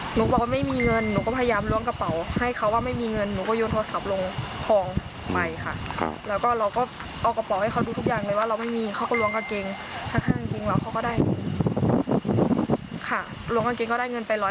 หลวงเข้าไปในกางเกง